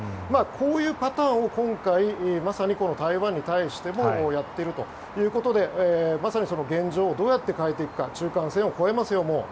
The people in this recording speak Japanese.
こういうパターンを今回まさに台湾に対してもやっているということでまさに現状をどうやって変えていくかもう中間線を越えますよ